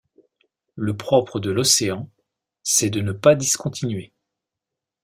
Le propre de l’océan, c’est de ne pas discontinuer.